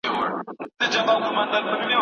نجوني بايد د خپلو حقوقو څخه بې برخې نه سي.